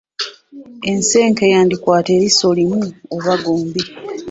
Ensenke yandikwata eriiso limu oba gombi